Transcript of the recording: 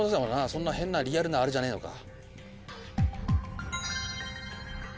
そんな変なリアルなあれじゃねえのか。